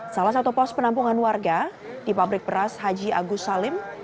salah satu pos penampungan warga di pabrik beras haji agus salim